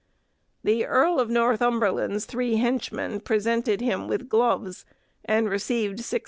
The Earl of Northumberland's three henchmen presented him with gloves, and received 6_s.